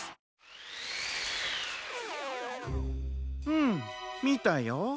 うんみたよ。